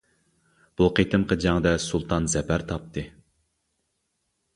بۇ قېتىمقى جەڭدە سۇلتان زەپەر تاپتى.